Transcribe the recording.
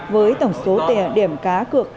với tổng số điểm cá cực